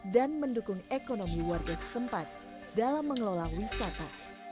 dan mendukung ekonomi warga setempat dalam mengelola wisata